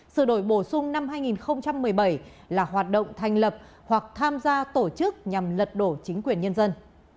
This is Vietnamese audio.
sự đổi bổ sung năm hai nghìn một mươi bảy là hoạt động thành lập hoặc tham gia tổ chức nhằm lật đổ chính quyền nhân dân